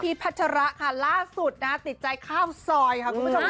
พัชระค่ะล่าสุดนะติดใจข้าวซอยค่ะคุณผู้ชมค่ะ